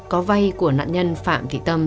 có vay của nạn nhân phạm thị tâm